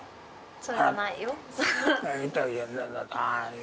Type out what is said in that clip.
それはないよ。